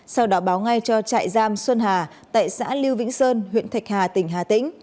sau đó báo ngay cho trại giam xuân hà tại xã lưu vĩnh sơn huyện thạch hà tỉnh hà tĩnh